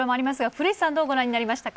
古市さん、どうご覧になりましたか。